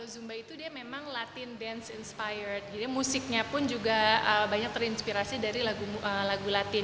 zumba memang berguna dengan latin dan musiknya juga banyak terinspirasi dari lagu latin